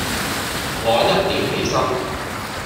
我一點起身